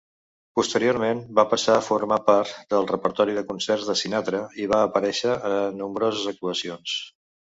Posteriorment, va passar a formar part del repertori de concerts de Sinatra i va aparèixer a nombroses actuacions.